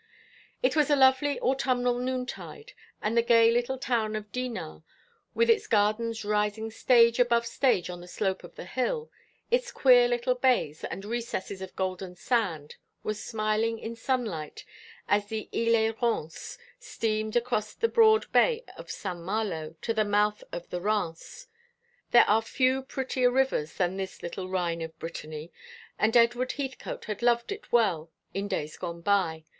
It was a lovely autumnal noontide, and the gay little town of Dinard, with its gardens rising stage above stage on the slope of the hill, its queer little bays and recesses of golden sand, was smiling in sunlight as the "Isle et Rance" steamed across the broad bay of St. Malo to the mouth of the Rance. There are few prettier rivers than this little Rhine of Brittany, and Edward Heathcote had loved it well in days gone by.